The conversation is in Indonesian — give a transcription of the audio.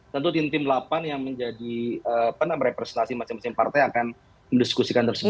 tentu tim delapan yang menjadi pernah merepresentasi masing masing partai akan mendiskusikan tersebut